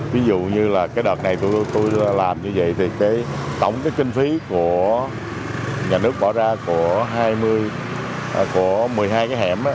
ví dụ như là cái đợt này tôi làm như vậy thì tổng cái kinh phí của nhà nước bỏ ra của một mươi hai cái hẻm